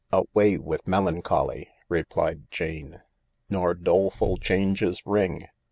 "Away with melancholy," replied Jane, "nor doleful changes ring!